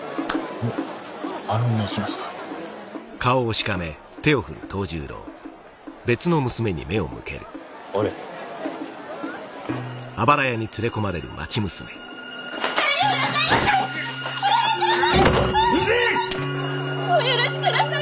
お許しください